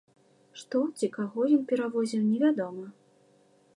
Што ці каго ён перавозіў, невядома.